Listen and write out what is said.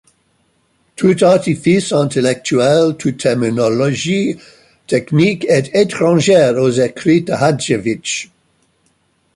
Tout artifice intellectuel, toute terminologie technique est étranger aux écrits de Hadewijch.